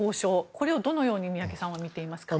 これをどのように宮家さんは見ていますか。